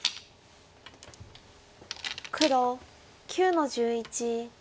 黒９の十一。